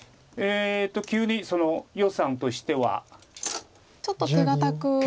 急に余さんとしては。ちょっと手堅く。